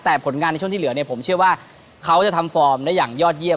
แต่ผลงานในช่วงที่เหลือเนี่ยผมเชื่อว่าเขาจะทำฟอร์มได้อย่างยอดเยี่ยม